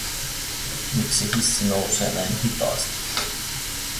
Miksi hissi nousee näin hitaasti?